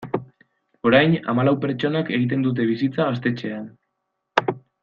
Orain hamalau pertsonak egiten dute bizitza gaztetxean.